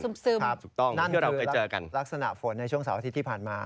ตกซึมครับนั่นคือลักษณะฝนในช่วงสาวอาทิตย์ที่ผ่านมา